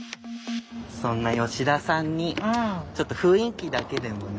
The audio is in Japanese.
そんな吉田さんにちょっと雰囲気だけでもね。